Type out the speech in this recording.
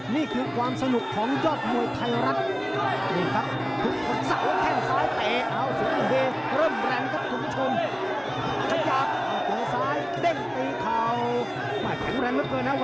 นี่คือความสนุกของยอดมวยไทยรัฐ